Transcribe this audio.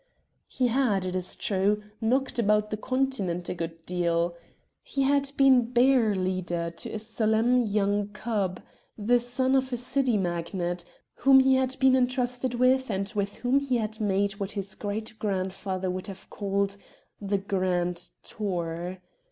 He had, it is true, knocked about the Continent a good deal. He had been bear leader to a solemn young cub, the son of a City magnate, whom he had been entrusted with, and with whom he made what his great grandfather would have called the Grand Tour.